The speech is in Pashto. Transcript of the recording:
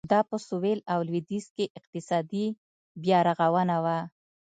دا په سوېل او لوېدیځ کې اقتصادي بیارغونه وه.